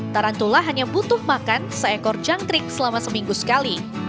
tarantula hanya butuh makan seekor jangkrik selama seminggu sekali